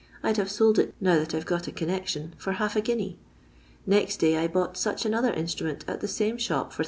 I 'd have sold it now that I 've got a connection for half a guinea. Next day I bought such another instrument at the same shop for 3«.